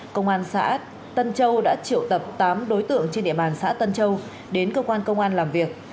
công an xã tân châu đã triệu tập tám đối tượng trên địa bàn xã tân châu đến cơ quan công an làm việc